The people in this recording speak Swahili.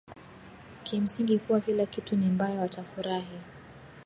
kimsingi kuwa kila kitu ni mbaya watafurahi